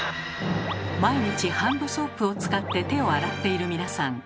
毎日ハンドソープを使って手を洗っている皆さん。